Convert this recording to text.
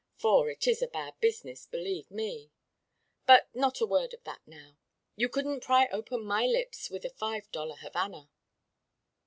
For it is a bad business believe me. But not a word of that now. You couldn't pry open my lips with a five dollar Havana."